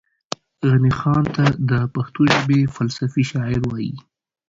غني خان ته دا پښتو ژبې فلسفي شاعر وايي